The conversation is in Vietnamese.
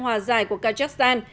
hòa giải của kazakhstan